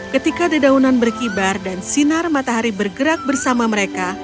ketika dedaunan berkibar dan sinar matahari bergerak bersama mereka